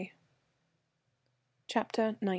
CHAPTER XIX.